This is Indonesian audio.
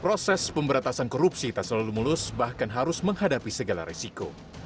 proses pemberantasan korupsi tak selalu mulus bahkan harus menghadapi segala risiko